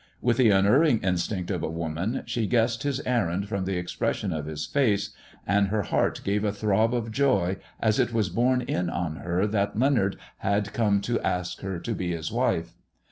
With the unerring instinct of a woman, she guessed his errand from the expression of his face, and her heart gave a throb of joy as it was borne in on her that Leonard had come to ask her to be his wife.